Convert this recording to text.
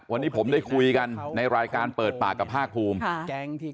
วันนี้ผมได้คุยกันในรายการเปิดปากกับภาคภูมิ